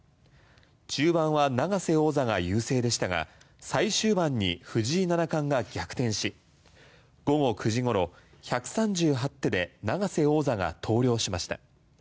中盤は永瀬王座が優勢でしたが最終盤に藤井七冠が逆転し午後９時ごろ、１３８手で永瀬王座が投了しました。